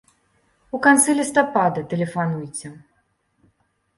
У канцы лістапада тэлефануйце.